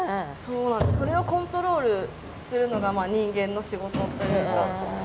それをコントロールするのが人間の仕事というか。